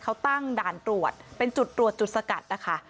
เขาตั้งด่านตรวจเป็นจุดตรวจจุดสกัดนะคะ